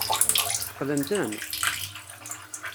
Ssfeqden-ten?